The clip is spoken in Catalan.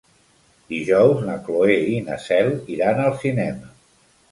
Dijous na Cloè i na Cel iran al cinema.